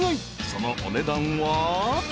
［そのお値段は？］